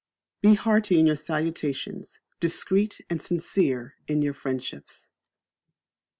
Be Hearty in your salutations, discreet and sincere in your friendships.